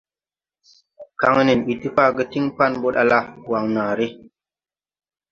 Kaŋ nen mbi ti faage tiŋ pan ɓɔ ɗala Waŋnaare.